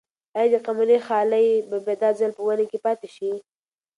آیا د قمرۍ خلی به دا ځل په ونې کې پاتې شي؟